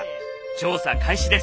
調査開始です！